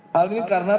hal ini karena